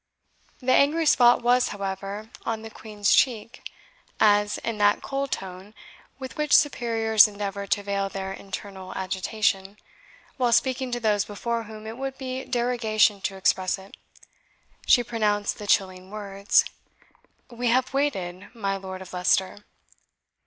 The angry spot was, however, on the Queen's cheek, as, in that cold tone with which superiors endeavour to veil their internal agitation, while speaking to those before whom it would be derogation to express it, she pronounced the chilling words, "We have waited, my Lord of Leicester."